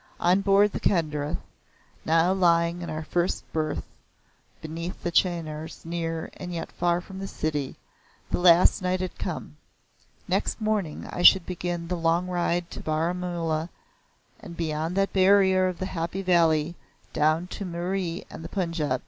On board the Kedarnath, now lying in our first berth beneath the chenars near and yet far from the city, the last night had come. Next morning I should begin the long ride to Baramula and beyond that barrier of the Happy Valley down to Murree and the Punjab.